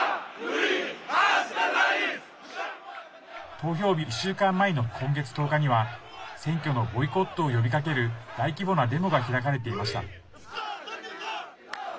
投票日１週間前の今月１０日には選挙のボイコットを呼びかける大規模なデモが開かれていました。